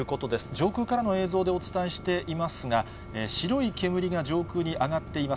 上空からの映像でお伝えしていますが、白い煙が上空に上がっています。